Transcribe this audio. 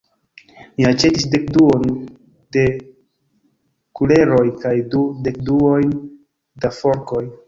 Mi aĉetis dekduon da kuleroj kaj du dekduojn da forkoj.